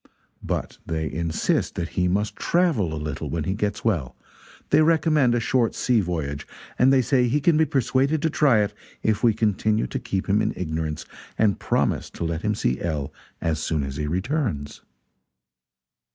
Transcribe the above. But they insist that he must travel a little when he gets well they recommend a short sea voyage, and they say he can be persuaded to try it if we continue to keep him in ignorance and promise to let him see L. as soon as he returns."